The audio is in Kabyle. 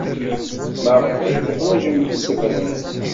Maɣef ay teḥwajem tisebrent?